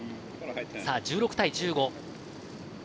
１６対１５。